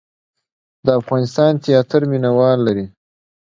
د افغانستان تیاتر مینه وال لري